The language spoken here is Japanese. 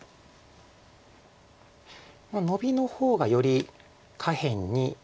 ノビの方がより下辺に。